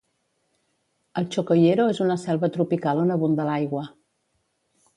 El Chocoyero és una selva tropical on abunda l'aigua.